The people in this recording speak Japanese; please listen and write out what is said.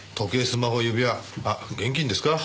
スマホ指輪あっ現金ですか？